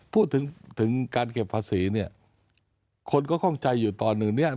พูดถึงถึงการเก็บภาษีเนี่ยคนก็คล่องใจอยู่ตอนหนึ่งเนี่ย